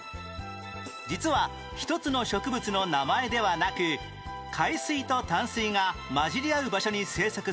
実は１つの植物の名前ではなく海水と淡水が混じり合う場所に生息する植物の総称といえば？